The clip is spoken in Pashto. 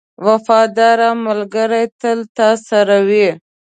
• وفادار ملګری تل تا سره وي.